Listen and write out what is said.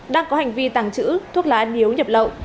đang có hành vi tàng trữ thuốc lá điếu nhập lậu